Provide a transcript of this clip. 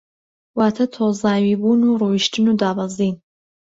واتە تۆزاوی بوون و ڕۆیشتن و دابەزین